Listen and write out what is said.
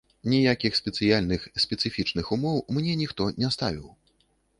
Ніякіх спецыяльных, спецыфічных умоў мне ніхто не ставіў.